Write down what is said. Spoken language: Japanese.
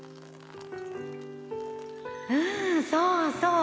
うんそうそう。